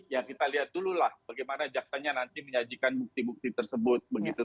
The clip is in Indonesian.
ya kita lihat dululah bagaimana jaksanya nanti menyajikan bukti bukti tersebut begitu